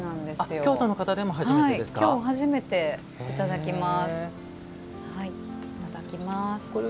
今日、初めていただきます。